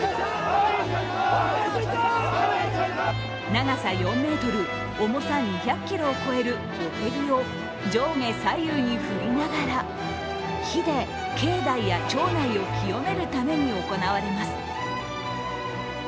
長さ４ｍ、重さ２００ｋｇを超えるお手火を上下左右に振りながら、火で境内や町内を清めるために行われます。